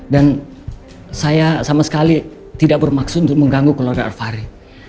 dan saya sama sekali tidak bermaksud untuk mengganggu keluarga alvari